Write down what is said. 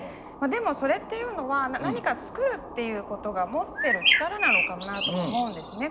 でもそれっていうのは何か作るっていうことが持ってる力なのかもなと思うんですね。